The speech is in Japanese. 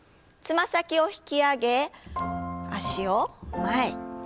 つま先を引き上げ脚を前。